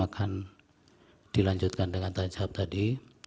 akan dilanjutkan dengan tanya jawab tadi